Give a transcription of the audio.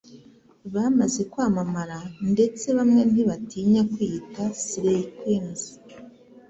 bamaze kwamamara ndetse bamwe ntibatinya kwiyita Slay Queens